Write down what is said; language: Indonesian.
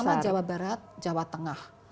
sama jawa barat jawa tengah